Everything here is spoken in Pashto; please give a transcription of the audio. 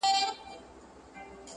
شرم پر حقيقت غالب کيږي تل,